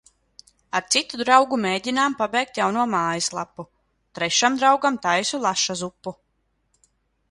Ar citu draugu mēģinām pabeigt jauno mājaslapu, trešam draugam taisu laša zupu.